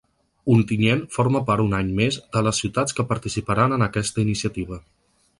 Ontinyent forma part un any més de les ciutats que participaran en aquesta iniciativa.